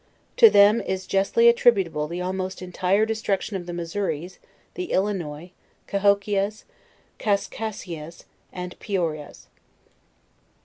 To them is justly attributable the almost entire des truction of the Missouris, the Illinois, Cahokias, Kaskaskias, and Piorias.